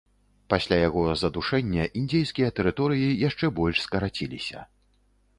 Пасля яго задушэння індзейскія тэрыторыі яшчэ больш скараціліся.